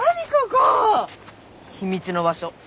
秘密の場所。